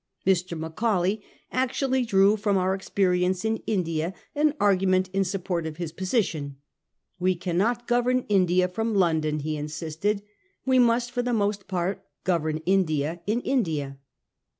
Mr. Macaulay actually drew from our experience in India an argument in support of his position. We cannot govern India from London, he insisted ; we must, for the most part, govern India in India.